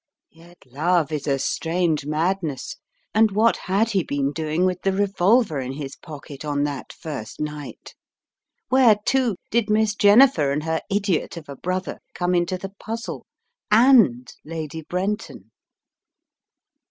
Yet love is a strange madness. And what had he been doing with the revolver in his pocket on that first night? 'Where, too, did Miss Jennifer and her idiot of a brother come into the puzzle, and Lady Brenton?